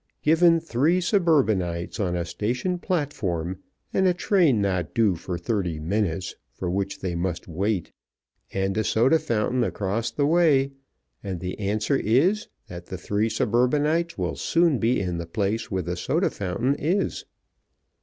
Given three suburbanites on a station platform, and a train not due for thirty minutes for which they must wait, and a soda fountain across the way, and the answer is that the three suburbanites will soon be in the place where the soda fountain is.